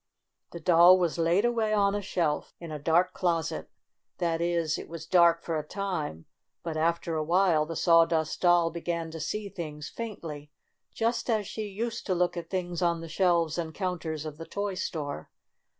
The doll was laid away on a shelf in a dark closet. That is, it was dark for a time, but, after a while, the Sawdust Doll began to see things faintly, just as she used to look at things on the shelves and counters of the toy store.